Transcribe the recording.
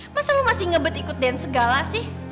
masa lu masih ngebet ikut dance gala sih